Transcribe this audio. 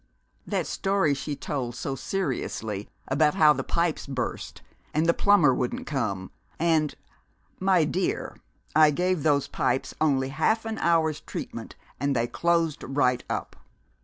That story she told so seriously about how the pipes burst and the plumber wouldn't come, and "My dear, I gave those pipes only half an hour's treatment, and they closed right up!"